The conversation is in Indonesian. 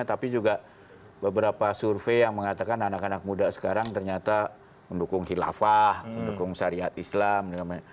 tapi juga beberapa survei yang mengatakan anak anak muda sekarang ternyata mendukung khilafah mendukung syariat islam